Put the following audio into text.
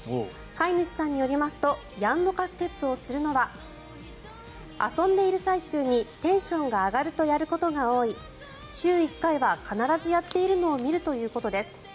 飼い主さんによりますとやんのかステップをするのは遊んでいる最中にテンションが上がるとやることが多い週１回は必ずやっているのを見るということです。